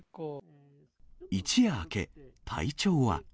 一夜明け、体調は。